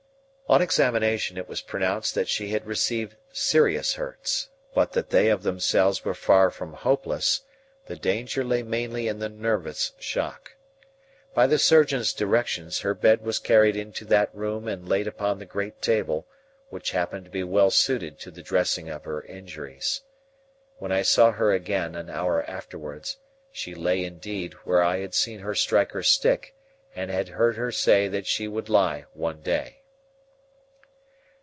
On examination it was pronounced that she had received serious hurts, but that they of themselves were far from hopeless; the danger lay mainly in the nervous shock. By the surgeon's directions, her bed was carried into that room and laid upon the great table, which happened to be well suited to the dressing of her injuries. When I saw her again, an hour afterwards, she lay, indeed, where I had seen her strike her stick, and had heard her say that she would lie one day.